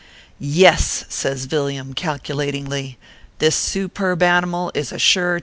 " Yes," says Villiam, calculatingly. " this superb animal is a sure 2.